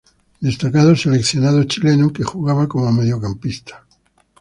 Destacado seleccionado chileno que jugaba como mediocampista.